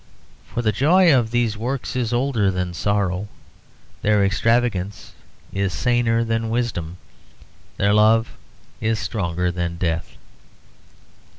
For the joy of these works is older than sorrow, their extravagance is saner than wisdom, their love is stronger than death.